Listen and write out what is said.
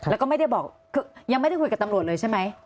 แล้วก็ไม่ได้บอกคือยังไม่ได้คุยกับตำรวจเลยใช่ไหม